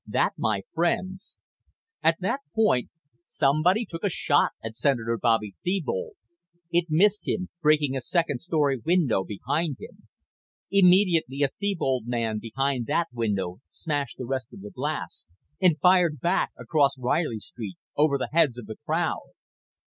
That, my friends " At that point somebody took a shot at Senator Bobby Thebold. It missed him, breaking a second story window behind him. Immediately a Thebold man behind that window smashed the rest of the glass and fired back across Reilly Street, over the heads of the crowd.